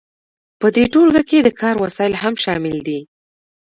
په دې ټولګه کې د کار وسایل هم شامل دي.